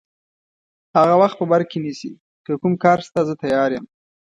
هغه وخت په بر کې نیسي، که کوم کار شته زه تیار یم.